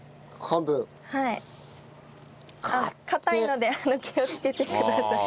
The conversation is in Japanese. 硬いので気をつけてください。